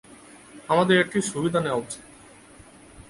আমাদের এটির সুবিধা নেওয়া উচিত।